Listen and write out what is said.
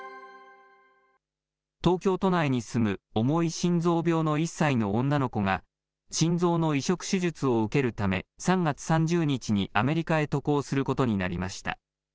東京都内に住む、重い心臓病の１歳の女の子が、心臓の移植手術を受けるため、３月３０日にアメリカへ渡航することになりました。